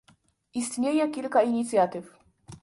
Istnieje kilka inicjatyw